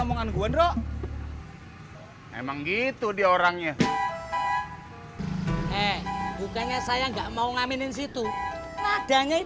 omongan gua nro emang gitu dia orangnya eh bukannya saya nggak mau ngaminin situ nadanya